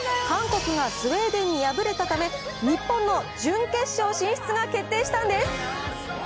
韓国がスウェーデンに敗れたため、日本の準決勝進出が決定したんです。